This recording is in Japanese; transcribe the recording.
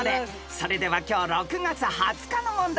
それでは今日６月２０日の問題から］